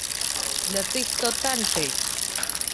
Для тых, хто танчыць!